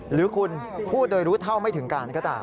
หรือคุณพูดโดยรู้เท่าไม่ถึงการก็ตาม